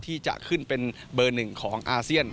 ที่จะขึ้นเป็นเบอร์หนึ่งของอาเซียน